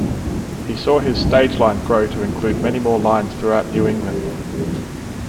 He saw his stage line grow to include many more lines throughout New England.